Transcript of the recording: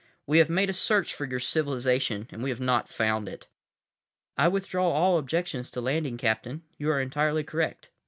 We have made a search for your civilization and we have not found it." "I withdraw all objections to landing, Captain. You are entirely correct.